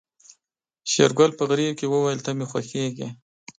شېرګل په غريو کې وويل ته مې خوښيږې.